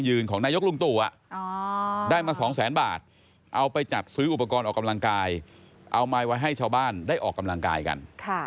เอามาไว้ให้ชาวบ้านได้ออกกำลังกายกัน